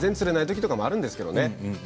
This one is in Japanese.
まあ、全然釣れないときとかもあるんですけれどもね。